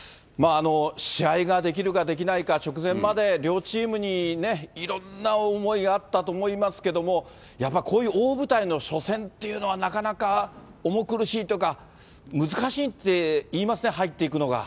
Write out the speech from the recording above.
試合ができるかできないか、直前まで両チームにいろんな思いがあったと思いますけども、やっぱりこういう大舞台の初戦っていうのは、なかなか重苦しいとか、難しいっていいますね、入っていくのが。